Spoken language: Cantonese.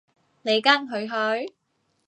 你跟佢去？